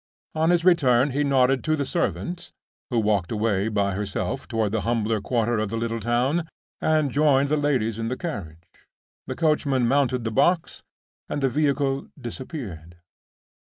On his return, he nodded to the servant, who walked away by herself toward the humbler quarter of the little town, and joined the ladies in the carriage. The coachman mounted the box, and the vehicle disappeared.